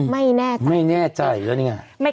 ไม่แน่ใจไม่แน่ใจแล้วนี่ไง